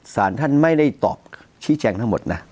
สารท่านไม่ได้ตอบชี้แจงทั้งหมดนะ